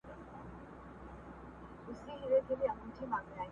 اغزي مي له تڼاکو رباتونه تښتوي٫